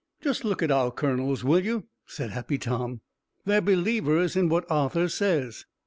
"Just look at our colonels, will you?" said Happy Tom. "They're believers in what Arthur says."